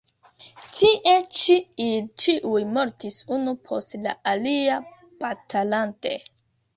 Tie ĉi ili ĉiuj mortis unu post la alia batalante.